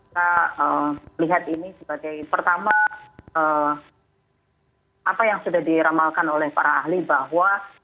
kita melihat ini sebagai pertama apa yang sudah diramalkan oleh para ahli bahwa